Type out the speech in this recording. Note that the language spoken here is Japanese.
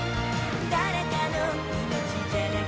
「誰かのいのちじゃなくて」